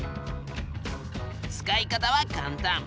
使い方は簡単。